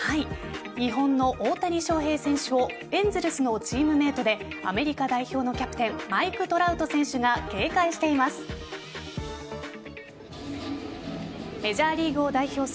日本の大谷翔平選手をエンゼルスのチームメートでアメリカ代表のキャプテンマイク・トラウト選手が警戒しています。